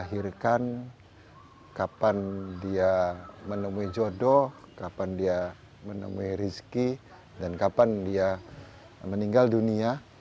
melahirkan kapan dia menemui jodoh kapan dia menemui rizki dan kapan dia meninggal dunia